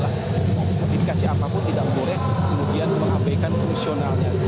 nah modifikasi apapun tidak boleh kemudian mengabaikan fungsionalnya